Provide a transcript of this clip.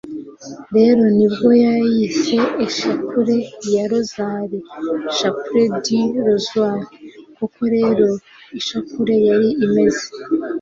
rero nibwo bayise ishapule ya rozari (chapelet du rosaire). koko rero ishapule yari imeze